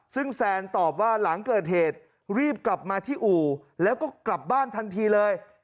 ซึ่งแซนตอบว่าหลังเกิดเหตุรีบกลับมาที่อู่แล้วก็กลับบ้านทันทีเลย